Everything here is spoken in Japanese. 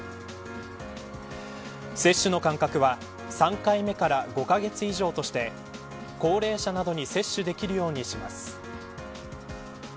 接種の間隔は３回目から５カ月以上として高齢者などに接種できるようにします。